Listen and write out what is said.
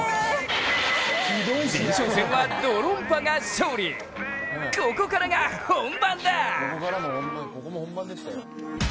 前哨戦はドロンパが勝利、ここからが本番だ！